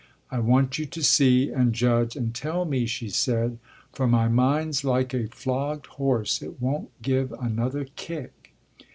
"I want you to see and judge and tell me," she said, "for my mind's like a flogged horse it won't give another kick."